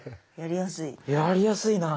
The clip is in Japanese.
やりやすい。